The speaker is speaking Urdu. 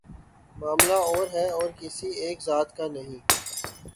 معاملہ اور ہے اور کسی ایک ذات کا نہیں۔